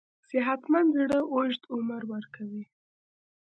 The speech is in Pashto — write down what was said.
صحتمند زړه اوږد عمر ورکوي.